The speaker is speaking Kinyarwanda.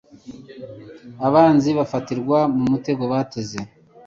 abanzi bafatirwa mu mutego bateze